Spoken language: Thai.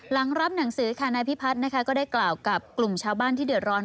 หลังรับหนังสือค่ะนายพิพัฒน์นะคะก็ได้กล่าวกับกลุ่มชาวบ้านที่เดือดร้อน